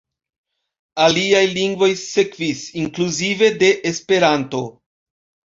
Aliaj lingvoj sekvis, inkluzive de Esperanto.